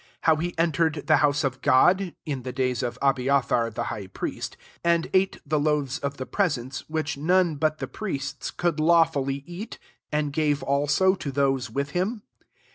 26 how he entered the house of God, [in the days of Abiathar die high priesC] and ate the loaves v of the prese^nce, which none I but the prints could htwfuHy I eat, and gave, also, to those 1 with him